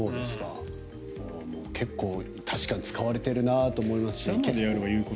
結構、確かに使われているなと思いますけれど。